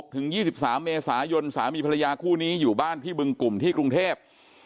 ถึง๒๓เมษายนสามีภรรยาคู่นี้อยู่บ้านที่บึงกลุ่มที่กรุงเทพ